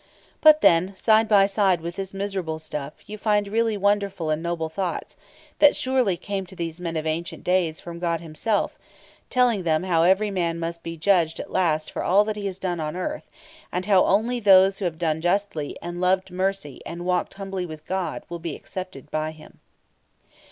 But, then, side by side with this miserable stuff, you find really wonderful and noble thoughts, that surely came to these men of ancient days from God Himself, telling them how every man must be judged at last for all that he has done on earth, and how only those who have done justly, and loved mercy, and walked humbly with God, will be accepted by Him.